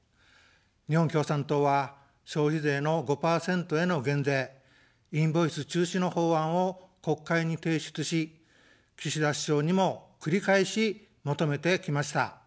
日本共産党は消費税の５％への減税、インボイス中止の法案を国会に提出し、岸田首相にも繰り返し求めてきました。